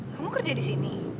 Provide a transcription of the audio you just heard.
kamu kerja di sini